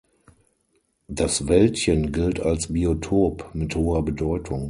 Das Wäldchen gilt als Biotop mit hoher Bedeutung.